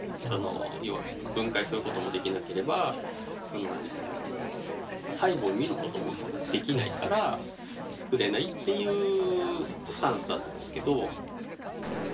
要は分解することもできなければ細部を見ることもできないから作れないっていうスタンスだったんですけど。